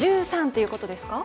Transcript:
１３っていうことですか？